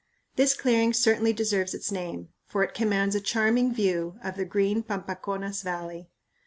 This clearing certainly deserves its name, for it commands a "charming view" of the green Pampaconas Valley.